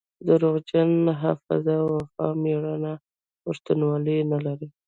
دروغجن حافظه وفا ميړانه پښتونولي نلري